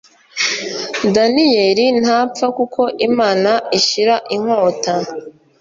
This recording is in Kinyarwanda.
Daniyeli ntapfa kuko Imana ishyira inkota